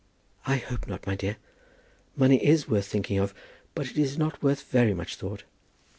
"I hope not, my dear. Money is worth thinking of, but it is not worth very much thought."